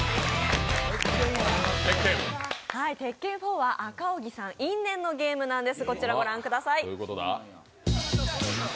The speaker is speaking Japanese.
「鉄拳４」は赤荻さん因縁のゲームなんです。